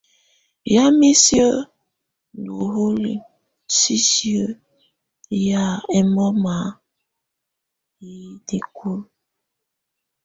Yamɛ̀á isǝ́ ́ ndù ɔlɔ sisiǝ́ yɛ̀á ɛmbɔma yɛ nikulǝ.